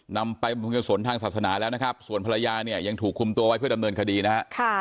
นำไปบำรุงศลทางศาสนาแล้วนะครับส่วนภรรยาเนี่ยยังถูกคุมตัวไว้เพื่อดำเนินคดีนะฮะ